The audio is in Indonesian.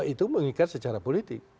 itu mengikat secara politik